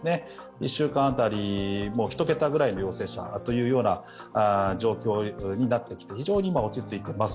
１週間当たり、１桁ぐらいの陽性者という状況になってきて非常に落ち着いています。